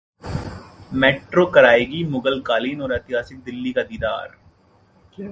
metro कराएगी मुगलकालीन और ऐतिहासिक दिल्ली का दीदार